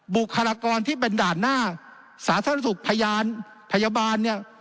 บุคลากรที่เป็นด่านหน้าสาธารณสุขพยานพยาบาลเนี่ย